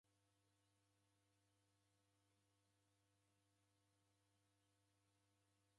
W'amu w'asea kidombo chienyi w'ikilomba w'utesia.